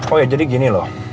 oh ya jadi gini loh